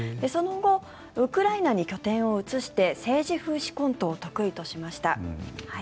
その後ウクライナに拠点を移して政治風刺コントを得意としました。